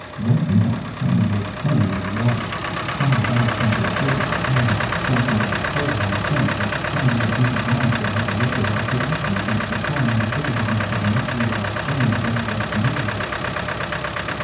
Right now Tommy was playing in the yard. Sally's eyes came to a focus upon him, crouching by a hole in the fence which kindly old Mrs. Wallingford had erected as a protection against the prying inquisitiveness of an eight year old determined to make life miserable for her.